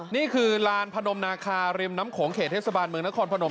นี่คือลานพนมนาคาริมน้ำโขงเขตเทศบาลเมืองนครพนม